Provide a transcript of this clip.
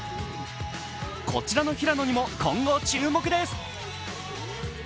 こちらの平野にも今後注目です。